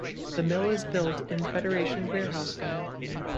The mill is built in Federation Warehouse style.